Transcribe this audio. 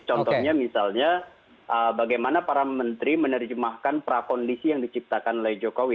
contohnya misalnya bagaimana para menteri menerjemahkan prakondisi yang diciptakan oleh jokowi